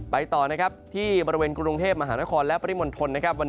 ต่อนะครับที่บริเวณกรุงเทพมหานครและปริมณฑลนะครับ